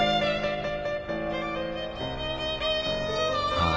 ああ。